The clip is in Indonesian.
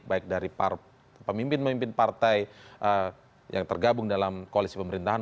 baik dari pemimpin pemimpin partai yang tergabung dalam koalisi pemerintahan